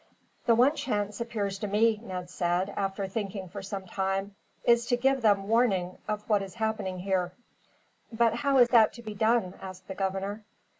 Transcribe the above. "The one chance appears to me," Ned said, after thinking for some time, "is to give them warning of what is happening here." "But how is that to be done?" asked the governor.